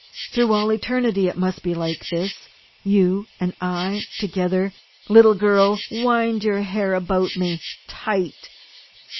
Through all eternity it must be like this you and I, together. Little girl, wind your hair about me tight!"